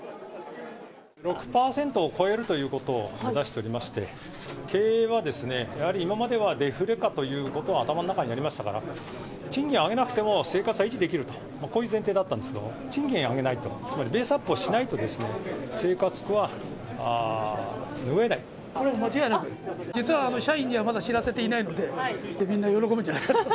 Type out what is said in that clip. ６％を超えるということを出しておりまして、経営はやはり今まではデフレ下ということは頭の中にありましたから、賃金を上げなくても生活は維持できると、こういう前提だったんですけれども、賃金は上げないと、つまりベースアップをしない実は社員にはまだ知らせていないので、みんな喜ぶんじゃないかと。